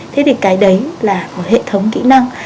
thế thì cái đấy là hệ thống kỹ năng